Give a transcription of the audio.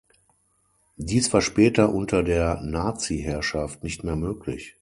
Dies war später unter der Naziherrschaft nicht mehr möglich.